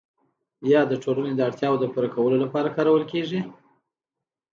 یا د ټولنې د اړتیاوو د پوره کولو لپاره کارول کیږي؟